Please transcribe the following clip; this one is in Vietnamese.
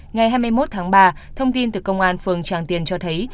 ngày hai mươi một tháng ba thông tin từ công an phường tràng tiền cho thấy